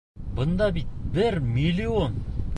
Бында бит бер миллион!..